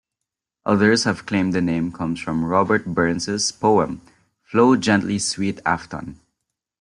Others have claimed the name comes from Robert Burns's poem, Flow Gently Sweet Afton.